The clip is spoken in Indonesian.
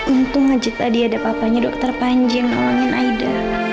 untung aja tadi ada papanya dokter panji yang nolongin aida